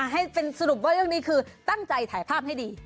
ให้เป็นสรุปว่าเรื่องนี้คือตั้งใจถ่ายภาพให้ดี